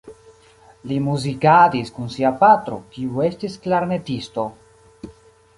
Li muzikadis kun sia patro, kiu estis klarnetisto.